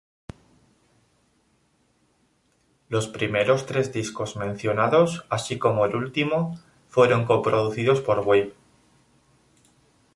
Los primeros tres discos mencionados, así como el último fueron co-producidos por Weiß.